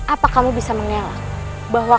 apa kamu bisa mengelak bahwa